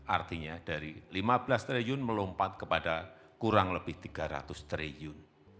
artinya dari lima belas triliun melompat kepada kurang lebih tiga ratus triliun